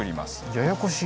ややこしい。